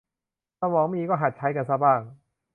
สมองมีก็หัดใช้กันซะบ้าง